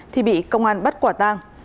thì bị công an bắt quả tàng